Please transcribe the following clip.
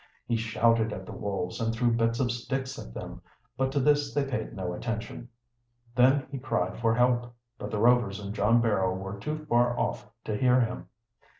He shouted at the wolves and threw bits of sticks at them, but to this they paid no attention. Then he cried for help, but the Rovers and John Barrow were too far off to hear him.